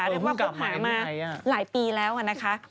เรียกว่าพวกหายมาหลายปีแล้วอะนะคะ